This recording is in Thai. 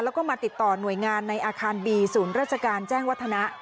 แล้วก็มาติดต่อหน่วยงานในอาคารบีศูนย์ราชการแจ้งวัฒนะ